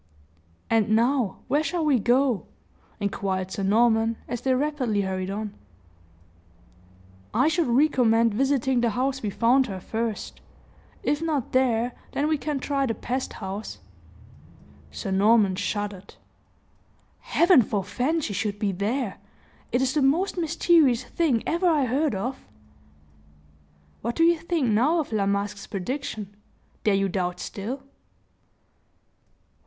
"And now, where shall we go?" inquired Sir Norman, as they rapidly hurried on. "I should recommend visiting the house we found her first; if not there, then we can try the pest house." Sir Norman shuddered. "Heaven forefend she should be there! It is the most mysterious thing ever I heard of!" "What do you think now of La Masque's prediction dare you doubt still?"